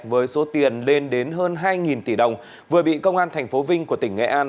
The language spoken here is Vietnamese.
với số tiền lên đến hơn hai tỷ đồng vừa bị công an tp vinh của tỉnh nghệ an